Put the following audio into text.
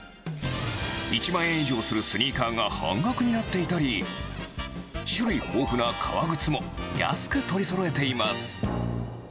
１万円以上するスニーカーが半額になっていたり、種類豊富な革靴も安く取りそろえています。